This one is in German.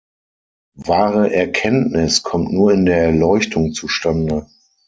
Wahre Erkenntnis kommt nur in der Erleuchtung zustande.